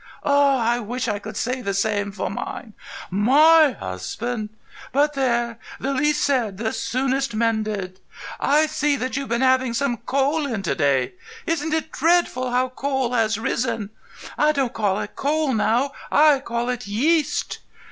Ah, I wish I could say the same for mine. My husband.... But there; the least said the soonest mended. I see that you've been having some coal in to day. Isn't it dreadful how coal has risen? I don't call it coal now—I call it yeast.